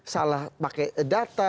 salah pakai data